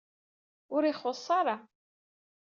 Ur ixuṣ ara.